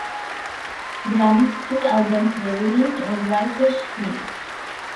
Their next two albums were released on Righteous Babe.